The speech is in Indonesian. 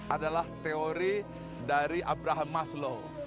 adalah teori dari abraham maslow